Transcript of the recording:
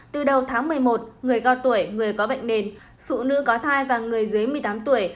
từ đầu tháng một mươi một người cao tuổi người có bệnh nền phụ nữ có thai và người dưới một mươi tám tuổi